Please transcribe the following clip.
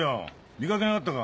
見かけなかったか？